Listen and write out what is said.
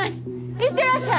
行ってらっしゃい！